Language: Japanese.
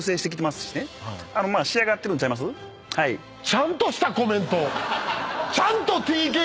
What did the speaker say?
ちゃんとしたコメント！